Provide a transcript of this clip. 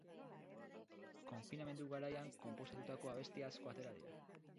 Konfinamendu garaian konposatutako abesti asko atera dira.